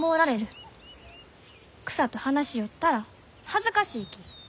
草と話しよったら恥ずかしいき。